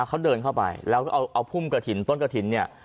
เขาเดินเข้าไปแล้วก็เอาพุ่มกระถิ่นต้นกระถิ่นเนี่ย